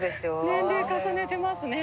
年齢重ねてますね。